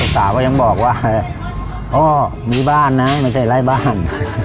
สาวก็ยังบอกว่าพ่อมีบ้านนะไม่ใช่ไล่บ้าน